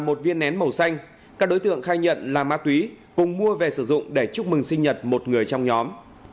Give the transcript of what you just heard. tại hiện trường phát hiện bảy gói nilon chứa chất tinh thể màu xanh các đối tượng khai nhận là ma túy cùng mua về sử dụng để chúc mừng sinh nhật một người trong nhóm